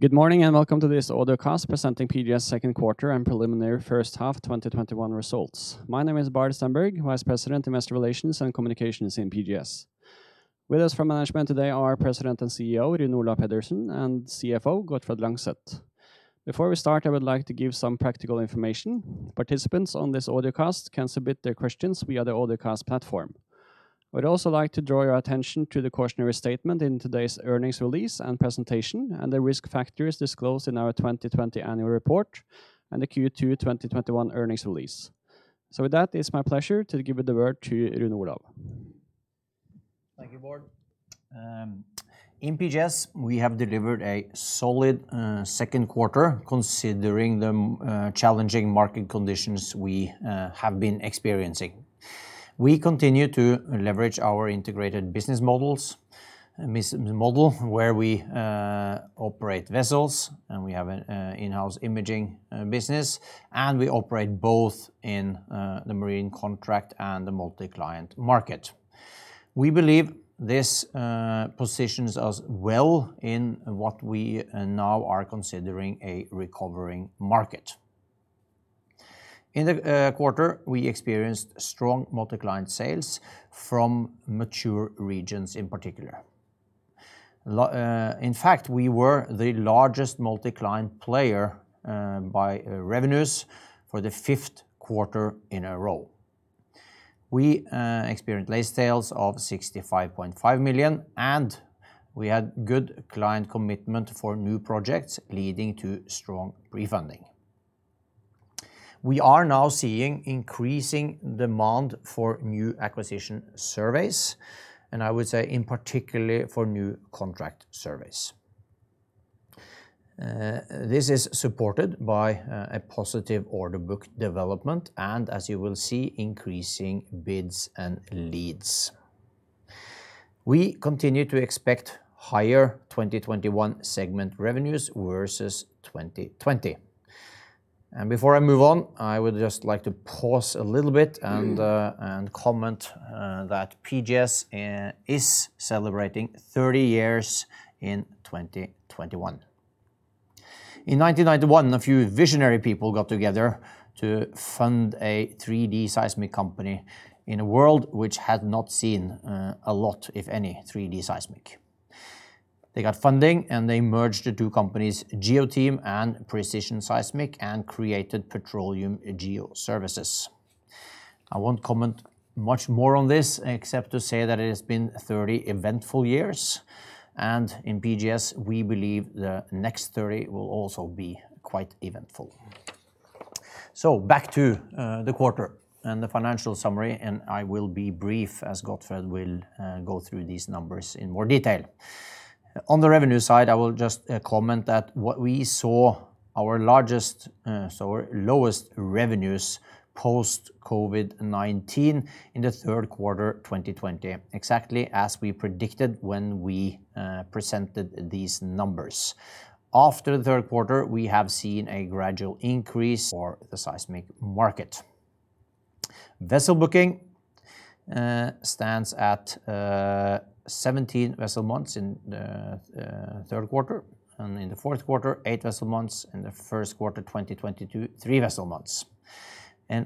Good morning, and welcome to this audio cast presenting PGS's second quarter and preliminary first half 2021 results. My name is Bård Stenberg, Vice President, Investor Relations and Communications in PGS. With us from management today are President and CEO Rune Olav Pedersen and CFO Gottfred Langseth. Before we start, I would like to give some practical information. Participants on this audio cast can submit their questions via the audio cast platform. I would also like to draw your attention to the cautionary statement in today's earnings release and presentation and the risk factors disclosed in our 2020 annual report and the Q2 2021 earnings release. With that, it's my pleasure to give the word to Rune Olav. Thank you, Bård Stenberg. In PGS, we have delivered a solid second quarter considering the challenging market conditions we have been experiencing. We continue to leverage our integrated business model, where we operate vessels, and we have an in-house imaging business, and we operate both in the marine contract and the multi-client market. We believe this positions us well in what we now are considering a recovering market. In the quarter, we experienced strong multi-client sales from mature regions in particular. In fact, we were the largest multi-client player by revenues for the fifth quarter in a row. We experienced late sales of $65.5 million, and we had good client commitment for new projects, leading to strong refunding. We are now seeing increasing demand for new acquisition surveys, and I would say in particular for new contract surveys. This is supported by a positive order book development and, as you will see, increasing bids and leads. We continue to expect higher 2021 segment revenues versus 2020. Before I move on, I would just like to pause a little bit and comment that PGS is celebrating 30 years in 2021. In 1991, a few visionary people got together to fund a 3D seismic company in a world which had not seen a lot, if any, 3D seismic. They got funding, and they merged the two companies, Geoteam and Precision Seismic, and created Petroleum Geo-Services. I won't comment much more on this except to say that it has been 30 eventful years, and in PGS we believe the next 30 will also be quite eventful. Back to the quarter and the financial summary, I will be brief as Gottfred Langseth will go through these numbers in more detail. On the revenue side, I will just comment that what we saw our lowest revenues post-COVID-19 in the third quarter 2020, exactly as we predicted when we presented these numbers. After the third quarter, we have seen a gradual increase for the seismic market. Vessel booking stands at 17 vessel months in the third quarter, and in the fourth quarter, eight vessel months, and the first quarter 2022, three vessel months.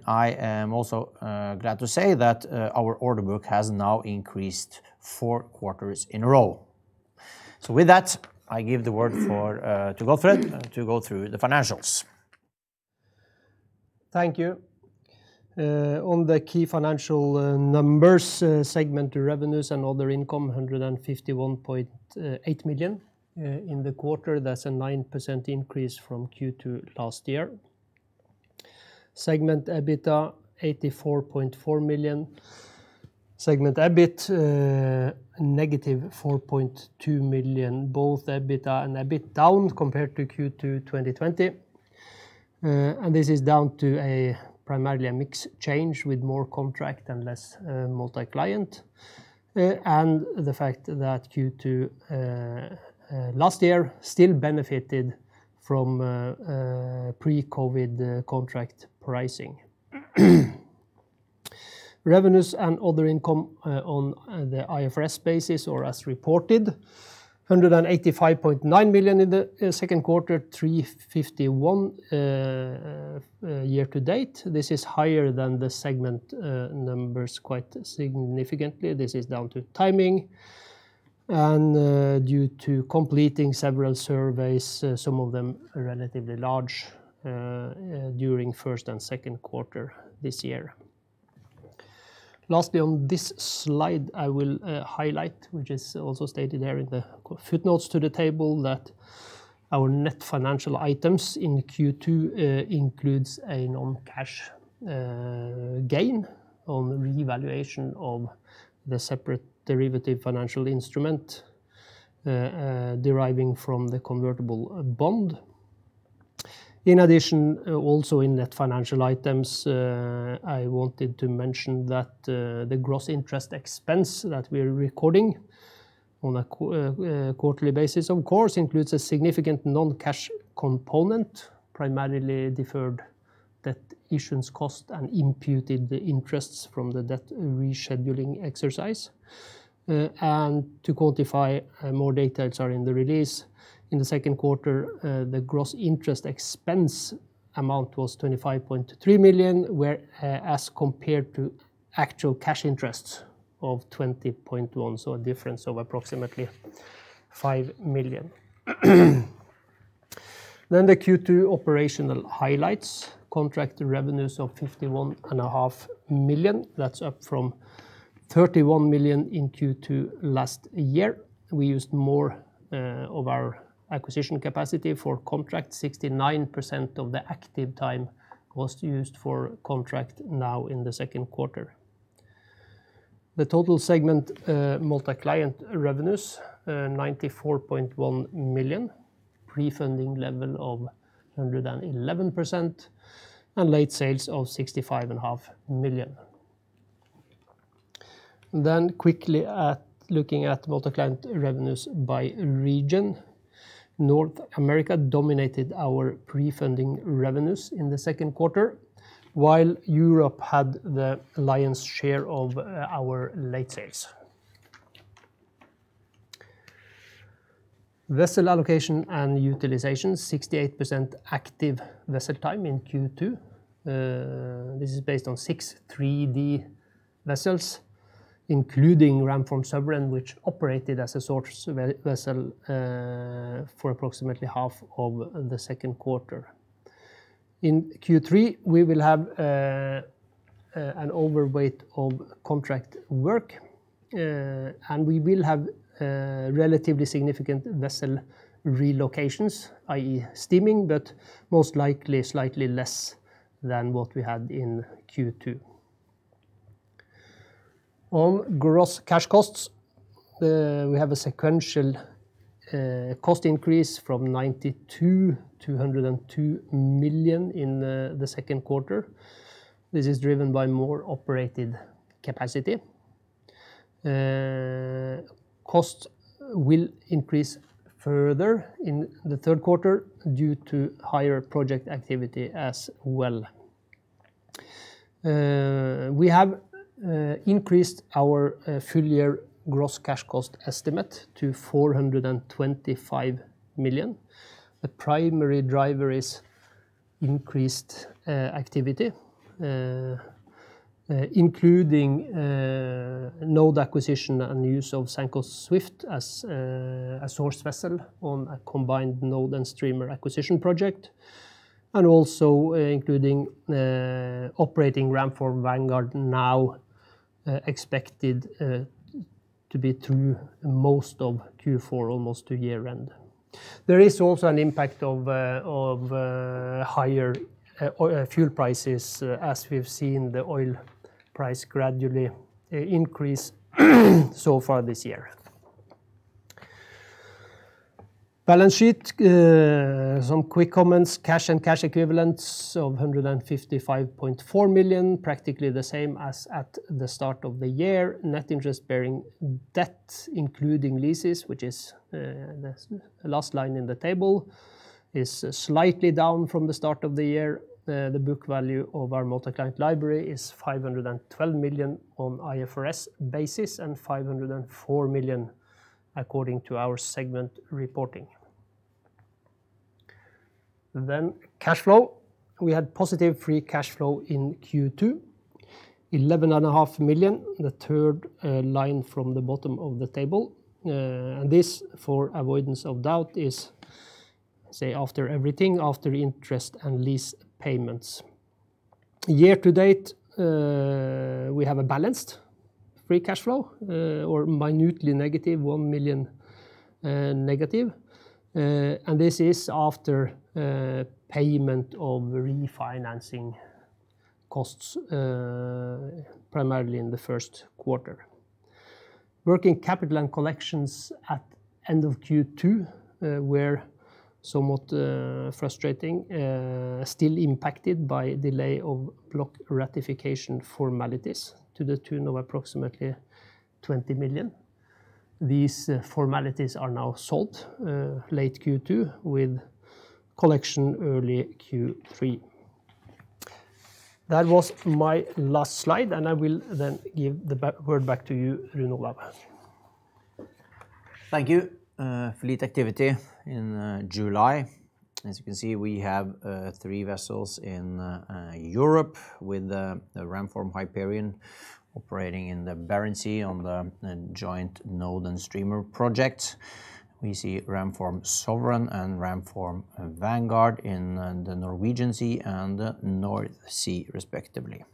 I am also glad to say that our order book has now increased four quarters in a row. With that, I give the word to Gottfred Langseth to go through the financials. Thank you. On the key financial numbers, segment revenues and other income, $151.8 million in the quarter. That's a 9% increase from Q2 last year. Segment EBITDA, $84.4 million. Segment EBIT, negative $4.2 million, both EBITDA and EBIT down compared to Q2 2020. This is down to primarily a mix change with more contract and less multi-client, and the fact that Q2 last year still benefited from pre-COVID-19 contract pricing. Revenues and other income on the IFRS basis or as reported, $185.9 million in the second quarter, $351 year to date. This is higher than the segment numbers quite significantly. This is down to timing and due to completing several surveys, some of them relatively large, during first and second quarter this year. Lastly, on this slide, I will highlight, which is also stated there in the footnotes to the table, that our net financial items in Q2 includes a non-cash gain on revaluation of the separate derivative financial instrument deriving from the convertible bond. Also in net financial items, I wanted to mention that the gross interest expense that we're recording on a quarterly basis, of course, includes a significant non-cash component, primarily deferred debt issuance cost and imputed interest from the debt rescheduling exercise. To quantify more data, sorry, in the release. In the second quarter, the gross interest expense amount was $25.3 million, as compared to actual cash interest of $20.1 million, so a difference of approximately $5 million. The Q2 operational highlights. Contract revenues of $51.5 million. That's up from $31 million in Q2 last year. We used more of our acquisition capacity for contract. 69% of the active time was used for contract now in the second quarter. The total segment multi-client revenues, $94.1 million, pre-funding level of 111%, and late sales of $65.5 million. Quickly looking at multi-client revenues by region. North America dominated our pre-funding revenues in the second quarter, while Europe had the lion's share of our late sales. Vessel allocation and utilization, 68% active vessel time in Q2. This is based on six 3D vessels, including Ramform Sovereign, which operated as a source vessel for approximately half of the second quarter. In Q3, we will have an overweight of contract work, and we will have relatively significant vessel relocations, i.e. steaming, but most likely slightly less than what we had in Q2. On gross cash costs, we have a sequential cost increase from $92 million-$102 million in Q2. This is driven by more operated capacity. Costs will increase further in the 3rd quarter due to higher project activity as well. We have increased our full year gross cash cost estimate to $425 million. The primary driver is increased activity, including node acquisition and use of Sanco Swift as a source vessel on a combined node and streamer acquisition project, and also including operating Ramform Vanguard now expected to be through most of Q4, almost to year-end. There is also an impact of higher oil fuel prices, as we've seen the oil price gradually increase so far this year. Balance sheet, some quick comments. Cash and cash equivalents of $155.4 million, practically the same as at the start of the year. Net interest bearing debt, including leases, which is the last line in the table, is slightly down from the start of the year. The book value of our multi-client library is $512 million on IFRS basis and $504 million according to our segment reporting. Cash flow. We had positive free cash flow in Q2. $11.5 million, the third line from the bottom of the table. This, for avoidance of doubt, is after everything, after interest and lease payments. Year to date, we have a balanced free cash flow, or minutely negative, -$1 million. This is after payment of refinancing costs primarily in the first quarter. Working capital and collections at end of Q2 were somewhat frustrating, still impacted by delay of block ratification formalities to the tune of approximately $20 million. These formalities are now solved late Q2 with collection early Q3. That was my last slide. I will then give the word back to you, Rune Olav. Thank you. Fleet activity in July. As you can see, we have three vessels in Europe with the Ramform Hyperion operating in the Barents Sea on the joint node and streamer project. We see Ramform Sovereign and Ramform Vanguard in the Norwegian Sea and North Sea respectively.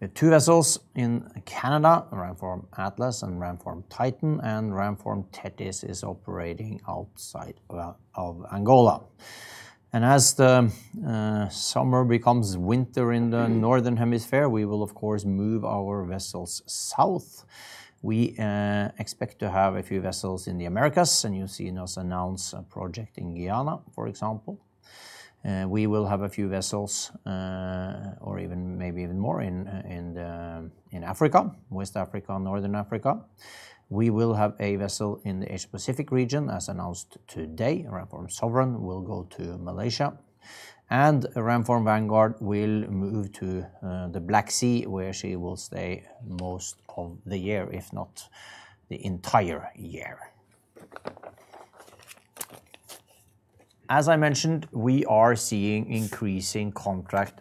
We have two vessels in Canada, Ramform Atlas and Ramform Titan, and Ramform Tethys is operating outside of Angola. As the summer becomes winter in the northern hemisphere, we will of course move our vessels south. We expect to have a few vessels in the Americas, and you see us announce a project in Guyana, for example. We will have a few vessels, or maybe even more in West Africa and Northern Africa. We will have a vessel in the Asia-Pacific region, as announced today. Ramform Sovereign will go to Malaysia, and Ramform Vanguard will move to the Black Sea, where she will stay most of the year, if not the entire year. As I mentioned, we are seeing increasing contract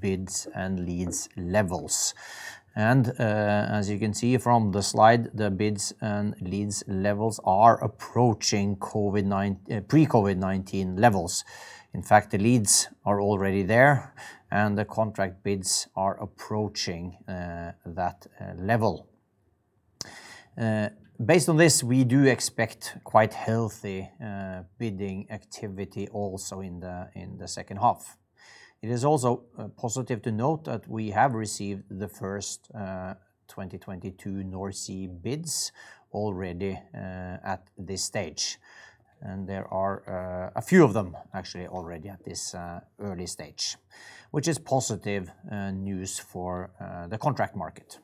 bids and leads levels. As you can see from the slide, the bids and leads levels are approaching pre-COVID-19 levels. In fact, the leads are already there, and the contract bids are approaching that level. Based on this, we do expect quite healthy bidding activity also in the second half. It is also positive to note that we have received the 1st 2022 North Sea bids already at this stage. There are a few of them actually already at this early stage, which is positive news for the contract market.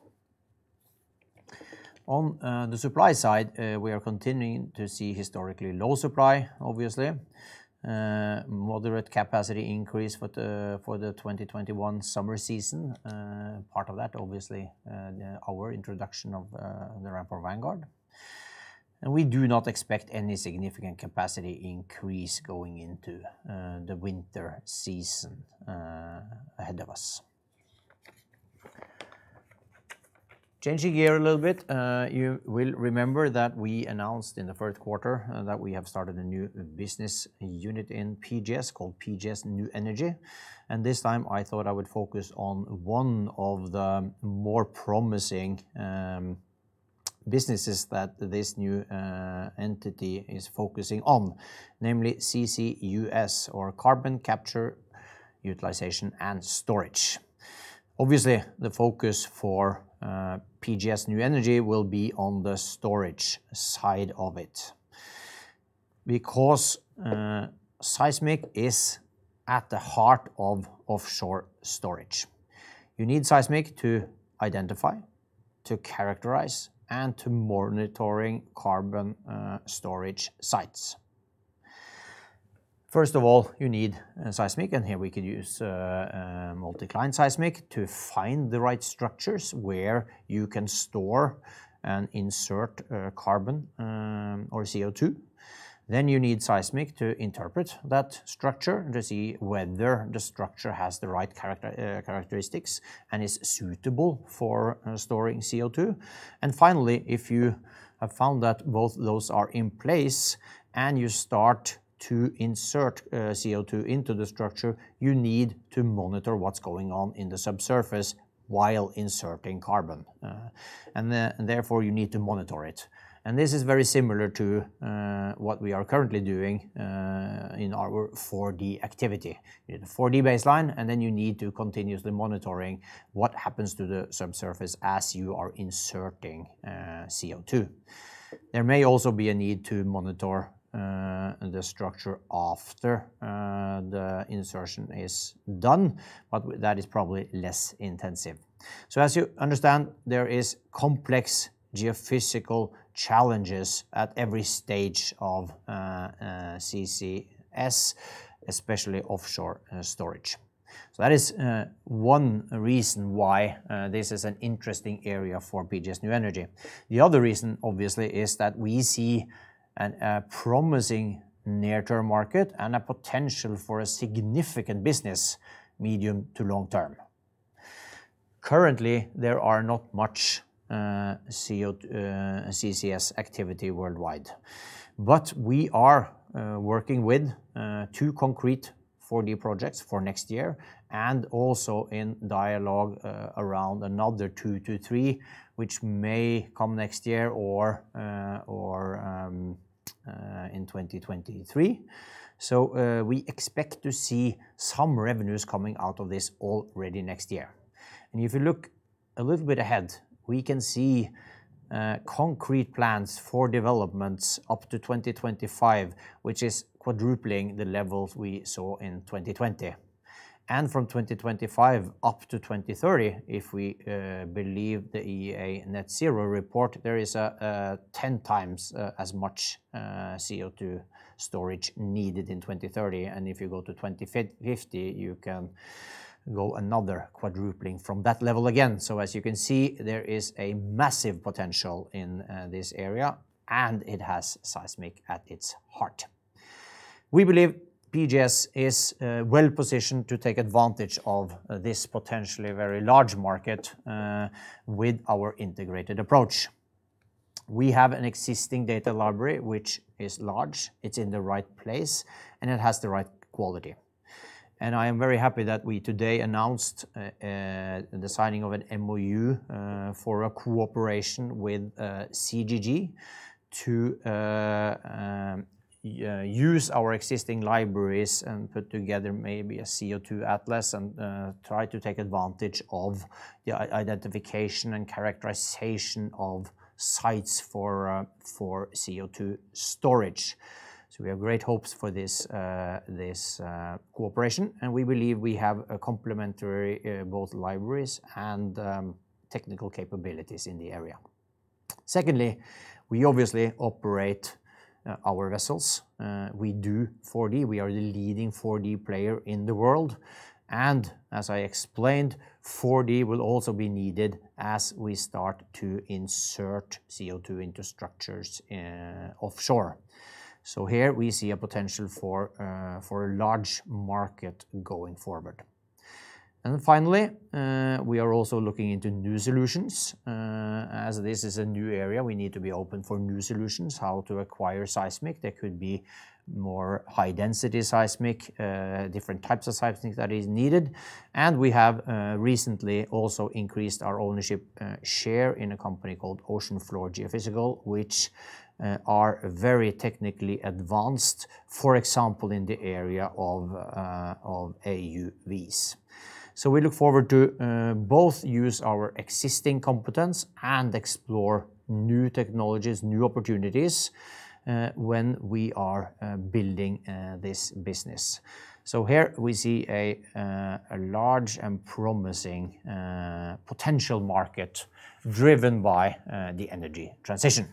On the supply side, we are continuing to see historically low supply, obviously. Moderate capacity increase for the 2021 summer season. Part of that obviously our introduction of the Ramform Vanguard. We do not expect any significant capacity increase going into the winter season ahead of us. Changing gear a little bit, you will remember that we announced in the first quarter that we have started a new business unit in PGS called PGS New Energy, and this time I thought I would focus on one of the more promising businesses that this new entity is focusing on, namely CCUS or carbon capture, utilization, and storage. Obviously, the focus for PGS New Energy will be on the storage side of it because seismic is at the heart of offshore storage. You need seismic to identify, to characterize, and to monitoring carbon storage sites. First of all, you need seismic, and here we could use multi-client seismic to find the right structures where you can store and insert carbon or CO2. You need seismic to interpret that structure to see whether the structure has the right characteristics and is suitable for storing CO2. Finally, if you have found that both those are in place and you start to insert CO2 into the structure, you need to monitor what's going on in the subsurface while inserting carbon. Therefore, you need to monitor it. This is very similar to what we are currently doing in our 4D activity. You need a 4D baseline, and then you need to continuously monitoring what happens to the subsurface as you are inserting CO2. There may also be a need to monitor the structure after the insertion is done, but that is probably less intensive. As you understand, there is complex geophysical challenges at every stage of CCS, especially offshore storage. That is one reason why this is an interesting area for PGS New Energy. The other reason, obviously, is that we see a promising near-term market and a potential for a significant business medium to long term. Currently, there are not much CCS activity worldwide, but we are working with two concrete 4D projects for next year and also in dialogue around another two to three, which may come next year or in 2023. We expect to see some revenues coming out of this already next year. If you look a little bit ahead, we can see concrete plans for developments up to 2025, which is quadrupling the levels we saw in 2020. From 2025 up to 2030, if we believe the IEA Net Zero report, there is 10 times as much CO2 storage needed in 2030. If you go to 2050, you can go another quadrupling from that level again. As you can see, there is a massive potential in this area, and it has seismic at its heart. We believe PGS is well-positioned to take advantage of this potentially very large market with our integrated approach. We have an existing data library, which is large, it's in the right place, and it has the right quality. I am very happy that we today announced the signing of an MOU for a cooperation with CGG to use our existing libraries and put together maybe a CO2 atlas and try to take advantage of the identification and characterization of sites for CO2 storage. We have great hopes for this cooperation, and we believe we have a complementary both libraries and technical capabilities in the area. Secondly, we obviously operate our vessels. We do 4D. We are the leading 4D player in the world. As I explained, 4D will also be needed as we start to insert CO2 into structures offshore. Here we see a potential for a large market going forward. Finally, we are also looking into new solutions. As this is a new area, we need to be open for new solutions, how to acquire seismic. There could be more high-density seismic, different types of seismic that is needed. We have recently also increased our ownership share in a company called Ocean Floor Geophysics, which are very technically advanced, for example, in the area of AUVs. We look forward to both use our existing competence and explore new technologies, new opportunities, when we are building this business. Here we see a large and promising potential market driven by the energy transition.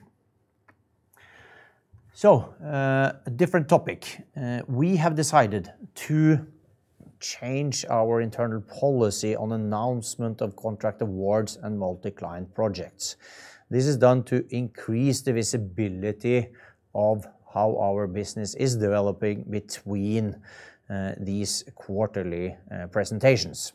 A different topic. We have decided to change our internal policy on announcement of contract awards and multi-client projects. This is done to increase the visibility of how our business is developing between these quarterly presentations.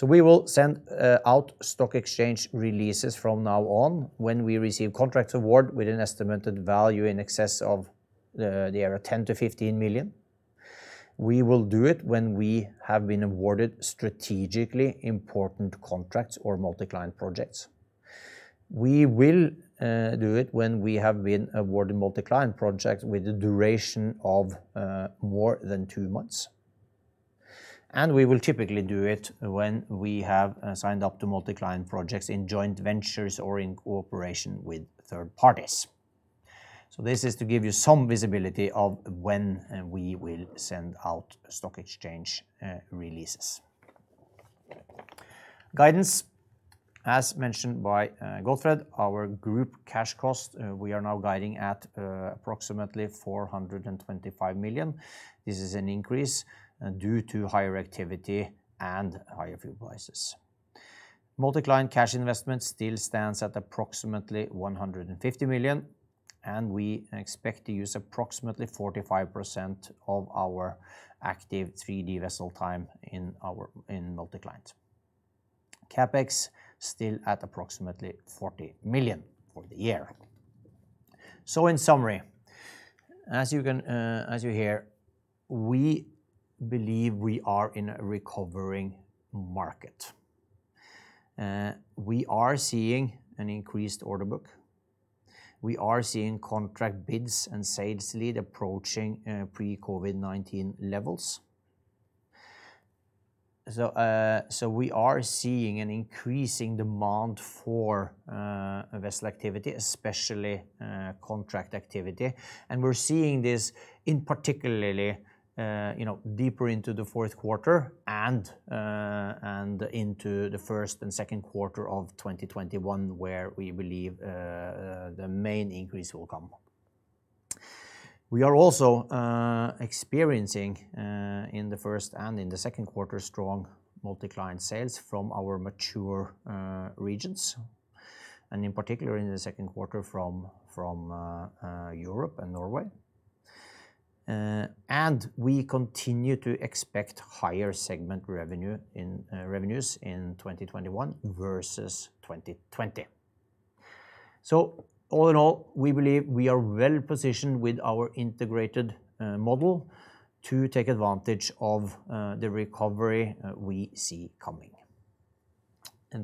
We will send out stock exchange releases from now on when we receive contract award with an estimated value in excess of the area of $10 million-$15 million. We will do it when we have been awarded strategically important contracts or multi-client projects. We will do it when we have been awarded multi-client projects with a duration of more than two months. We will typically do it when we have signed up to multi-client projects in joint ventures or in cooperation with third parties. This is to give you some visibility of when we will send out stock exchange releases. Guidance. As mentioned by Gottfred, our group cash cost, we are now guiding at approximately $425 million. This is an increase due to higher activity and higher fuel prices. Multi-client cash investment still stands at approximately $150 million, and we expect to use approximately 45% of our active 3D vessel time in multi-client. CapEx still at approximately $40 million for the year. In summary, as you hear, we believe we are in a recovering market. We are seeing an increased order book. We are seeing contract bids and sales lead approaching pre-COVID-19 levels. We are seeing an increasing demand for vessel activity, especially contract activity. We're seeing this in particularly deeper into the fourth quarter and into the first and second quarter of 2021, where we believe the main increase will come. We are also experiencing, in the 1st and in the 2nd quarter, strong multi-client sales from our mature regions, and in particular in the 2nd quarter from Europe and Norway. We continue to expect higher segment revenues in 2021 versus 2020. All in all, we believe we are well-positioned with our integrated model to take advantage of the recovery we see coming.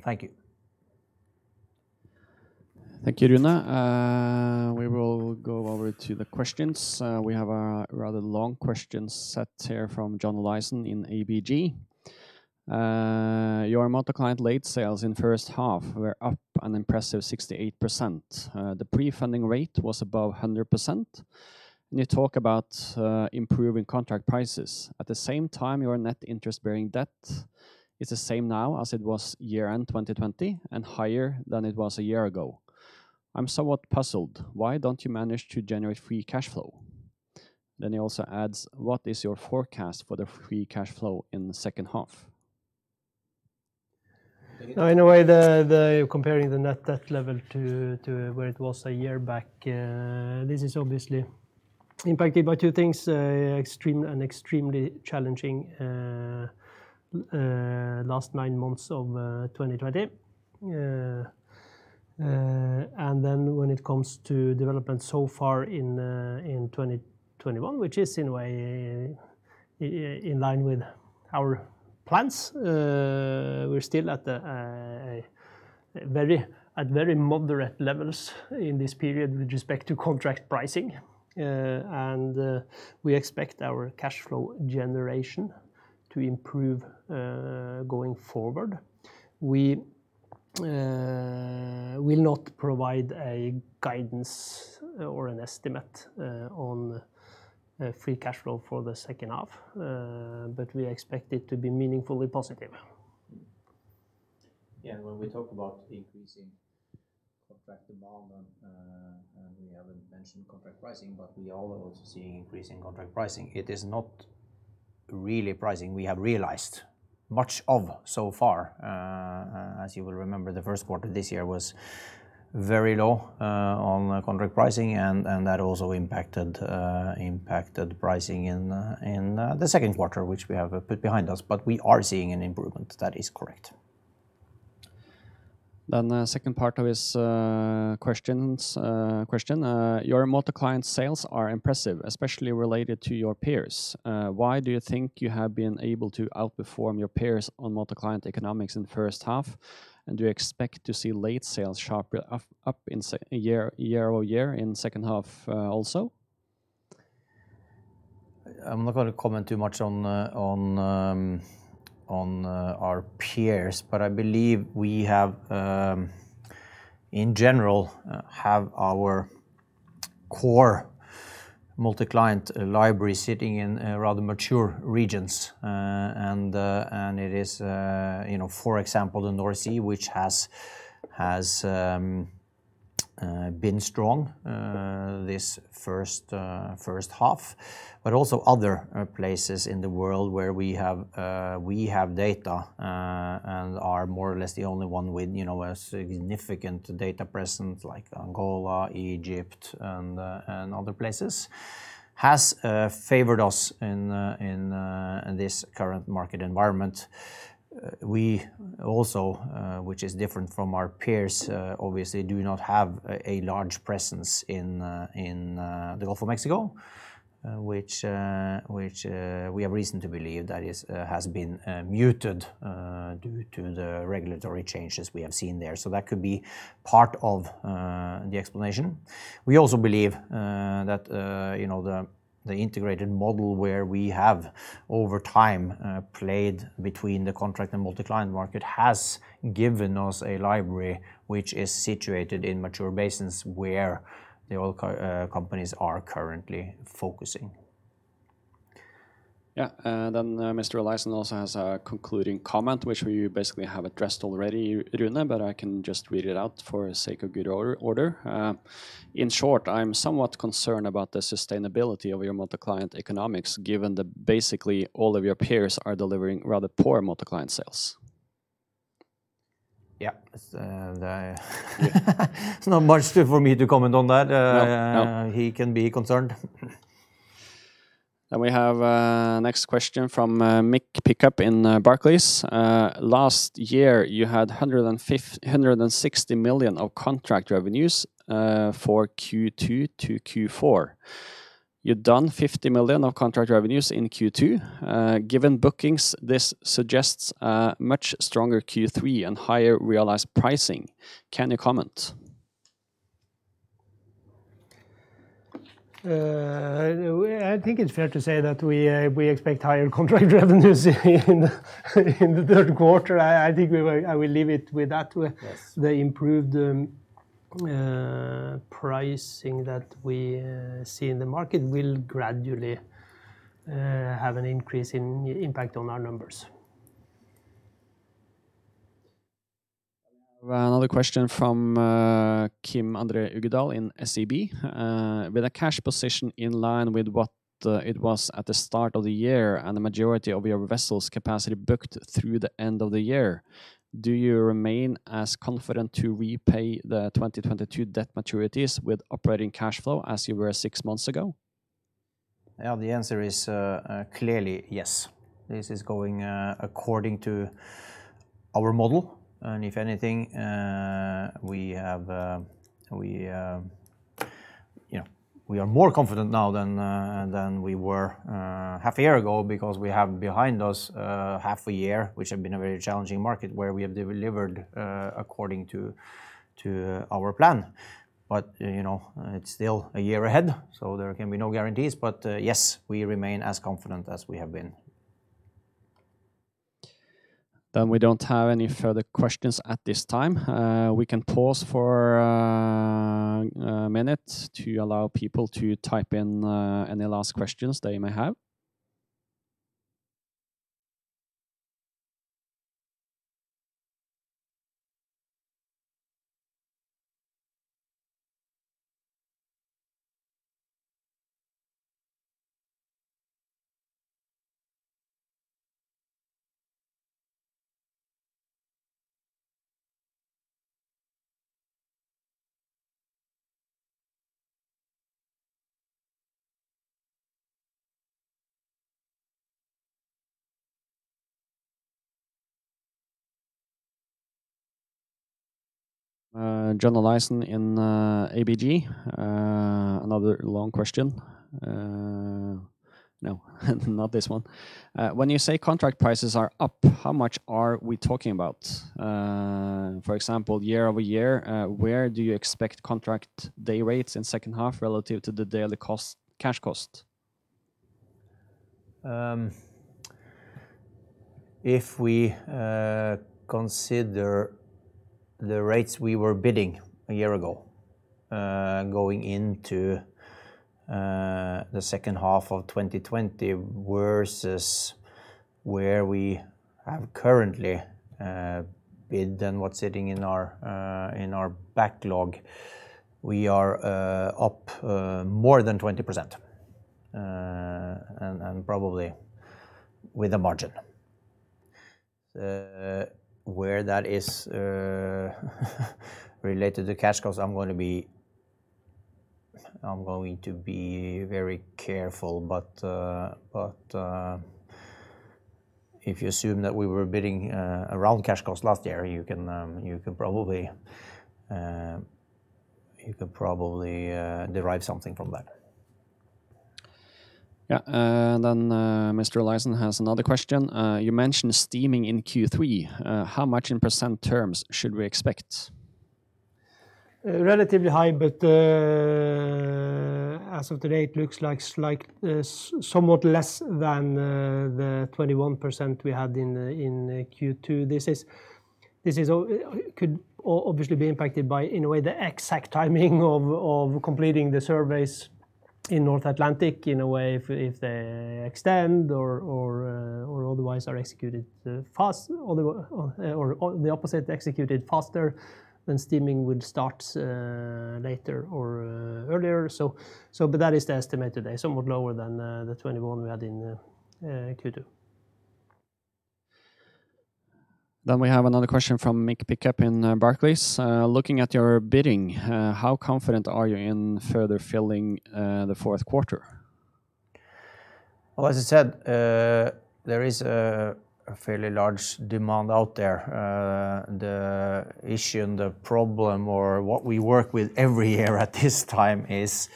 Thank you. Thank you, Rune. We will go over to the questions. We have a rather long question set here from John Eliason in ABG. Your multi-client late sales in first half were up an impressive 68%. The pre-funding rate was above 100%, and you talk about improving contract prices. At the same time, your net interest-bearing debt is the same now as it was year-end 2020 and higher than it was a year ago. I'm somewhat puzzled. Why don't you manage to generate free cash flow? He also adds, what is your forecast for the free cash flow in the second half? In a way, comparing the net debt level to where it was a year back, this is obviously impacted by two things, an extremely challenging last nine months of 2020. When it comes to development so far in 2021, which is in a way in line with our plans. We're still at very moderate levels in this period with respect to contract pricing. We expect our cash flow generation to improve going forward. We will not provide a guidance or an estimate on free cash flow for the second half. We expect it to be meaningfully positive. Yeah. When we talk about increasing contract demand, and we haven't mentioned contract pricing, but we are also seeing increasing contract pricing. It is not really pricing we have realized much of so far. As you will remember, the first quarter of this year was very low on contract pricing, and that also impacted pricing in the second quarter, which we have put behind us, but we are seeing an improvement. That is correct. The second part of his question. "Your multi-client sales are impressive, especially related to your peers. Why do you think you have been able to outperform your peers on multi-client economics in the first half? Do you expect to see late sales sharply up year-over-year in second half also? I'm not going to comment too much on our peers, but I believe we have, in general, have our core multi-client library sitting in rather mature regions. It is, for example, the North Sea, which has been strong this first half, but also other places in the world where we have data and are more or less the only one with a significant data presence, like Angola, Egypt, and other places, has favored us in this current market environment. We also, which is different from our peers, obviously do not have a large presence in the Gulf of Mexico, which we have reason to believe that has been muted due to the regulatory changes we have seen there. That could be part of the explanation. We also believe that the integrated model where we have, over time, played between the contract and multi-client market has given us a library which is situated in mature basins where the oil companies are currently focusing. Yeah. Mr. Eliason also has a concluding comment, which we basically have addressed already, Rune, but I can just read it out for sake of good order. "In short, I'm somewhat concerned about the sustainability of your multi-client economics, given that basically all of your peers are delivering rather poor multi-client sales. Yeah. There's not much for me to comment on that. No. He can be concerned. We have next question from Mick Pickup in Barclays. "Last year, you had $160 million of contract revenues for Q2 to Q4. You've done $50 million of contract revenues in Q2. Given bookings, this suggests a much stronger Q3 and higher realized pricing. Can you comment? I think it's fair to say that we expect higher contract revenues in the third quarter. I think I will leave it with that. Yes. The improved pricing that we see in the market will gradually have an increase in impact on our numbers. We have another question from Kim Andre Ugland in SEB. "With the cash position in line with what it was at the start of the year and the majority of your vessels capacity booked through the end of the year, do you remain as confident to repay the 2022 debt maturities with operating cash flow as you were six months ago? Yeah, the answer is clearly yes. This is going according to our model. If anything, we are more confident now than we were half a year ago because we have behind us half a year, which has been a very challenging market where we have delivered according to our plan. It's still a year ahead, so there can be no guarantees. Yes, we remain as confident as we have been. We don't have any further questions at this time. We can pause for a minute to allow people to type in any last questions they may have. John Eliason in ABG. Another long question. No, not this one. "When you say contract prices are up, how much are we talking about? For example, year-over-year, where do you expect contract day rates in second half relative to the daily cash cost? If we consider the rates we were bidding a year ago, going into the second half of 2020 versus where we have currently bid and what's sitting in our backlog, we are up more than 20%, and probably with a margin. Where that is related to cash costs, I'm going to be very careful. If you assume that we were bidding around cash costs last year, you can probably derive something from that. Yeah. Mr. Eliason has another question. You mentioned steaming in Q3. How much in % terms should we expect? Relatively high, but as of today, it looks like somewhat less than the 21% we had in Q2. This could obviously be impacted by in a way, the exact timing of completing the surveys in North Atlantic, in a way, if they extend or otherwise are executed fast or the opposite, executed faster, then steaming would start later or earlier. That is the estimate today, somewhat lower than the 21% we had in Q2. We have another question from Mick Pickup in Barclays. Looking at your bidding, how confident are you in further filling the fourth quarter? Well, as I said, there is a fairly large demand out there. The issue and the problem or what we work with every year at this time is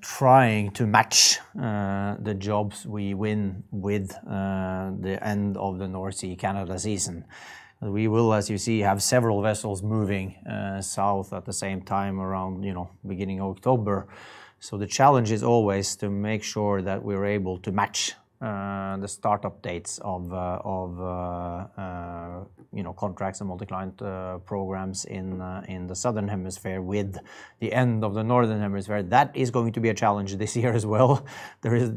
trying to match the jobs we win with the end of the North Sea Canada season. We will, as you see, have several vessels moving south at the same time around beginning of October. The challenge is always to make sure that we're able to match the startup dates of contracts and multi-client programs in the Southern Hemisphere with the end of the Northern Hemisphere. That is going to be a challenge this year as well. There is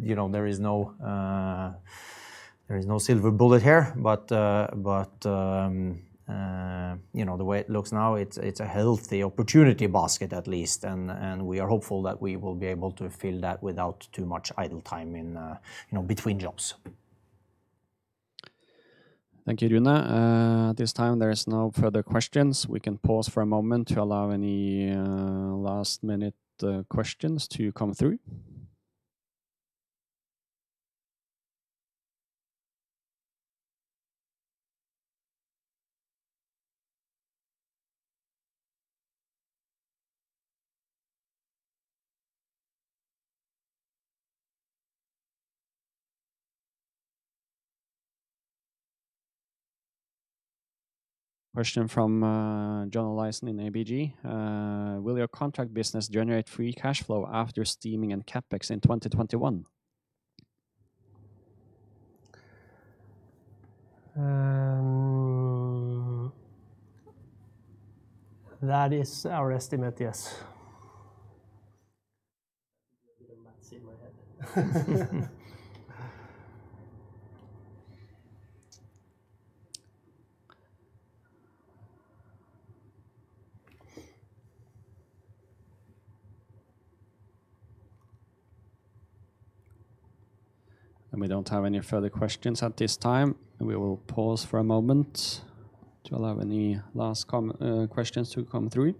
no silver bullet here, but the way it looks now, it's a healthy opportunity basket at least, and we are hopeful that we will be able to fill that without too much idle time between jobs. Thank you, Rune. At this time, there is no further questions. We can pause for a moment to allow any last-minute questions to come through. Question from John Eliason in ABG. Will your contract business generate free cash flow after steaming and CapEx in 2021? That is our estimate, yes. A little math in my head. We don't have any further questions at this time. We will pause for a moment to allow any last questions to come through.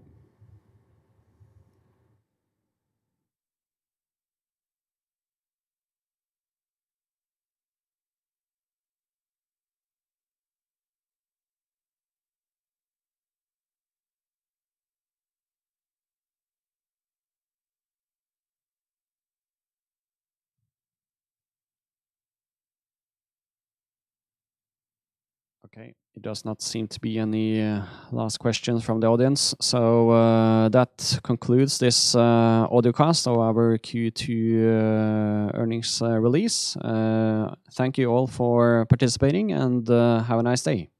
Okay, it does not seem to be any last questions from the audience. That concludes this audio cast of our Q2 earnings release. Thank you all for participating, and have a nice day.